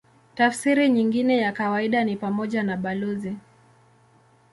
Tafsiri nyingine ya kawaida ni pamoja na balozi.